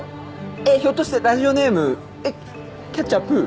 えっひょっとしてラジオネームキャッチャーぷー？